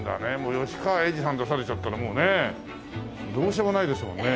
吉川英治さん出されちゃったらもうねどうしようもないですもんね。